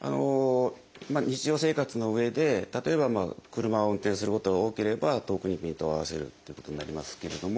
日常生活のうえで例えば車を運転することが多ければ遠くにピントを合わせるということになりますけれども。